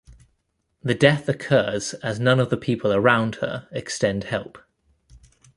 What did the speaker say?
The death occurs as none of the people around her extend help.